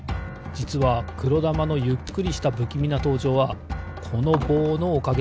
じつはくろだまのゆっくりしたぶきみなとうじょうはこのぼうのおかげなんです。